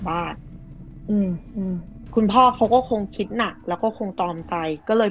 อืมคุณพ่อเขาก็คงคิดหนักแล้วก็คงตอมใจก็เลย